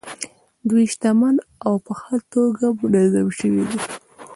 دوی شتمن او په ښه توګه منظم شوي دي.